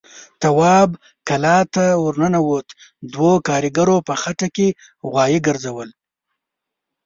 تواب کلا ته ور ننوت، دوو کاريګرو په خټه کې غوايي ګرځول.